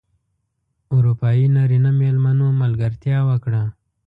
اروپايي نرینه مېلمنو ملګرتیا وکړه.